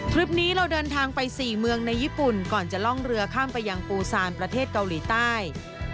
คลิปนี้เราเดินทางไป๔เมืองในญี่ปุ่นก่อนจะล่องเรือข้ามไปยังปูซานประเทศเกาหลีใต้